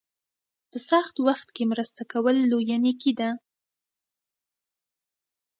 په سخت وخت کې مرسته کول لویه نیکي ده.